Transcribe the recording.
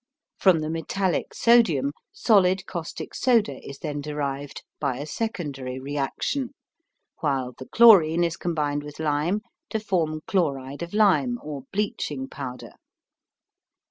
From the metallic sodium solid caustic soda is then derived by a secondary reaction, while the chlorine is combined with lime to form chloride of lime or bleaching powder.